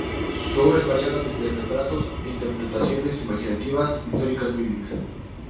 Su obra es variada, desde retratos a interpretaciones imaginativas de historias bíblicas.